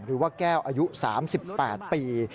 หรือว่าแก้วอายุ๓๘ปี